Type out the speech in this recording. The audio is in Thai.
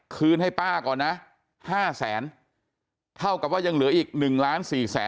คืนให้ป้าก่อนนะ๕๐๐๐๐๐บาทเท่ากับว่ายังเหลืออีก๑๔๕๐๐๐๐บาท